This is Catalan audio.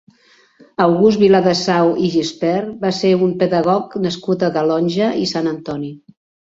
August Viladesau i Gispert va ser un pedagog nascut a Calonge i Sant Antoni.